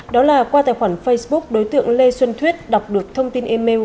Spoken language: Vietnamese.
đó là qua tài khoản facebook đối tượng lê xuân thuyết đọc được thông tin email